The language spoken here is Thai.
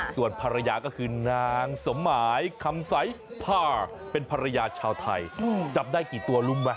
ส่วนภรรยาก็คือนางสมหมายคำใสผ่าเป็นภรรยาชาวไทยจับได้กี่ตัวรู้ไหม